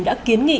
đã kiến nghị